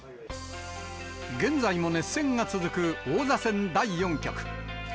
現在も熱戦が続く王座戦第４局。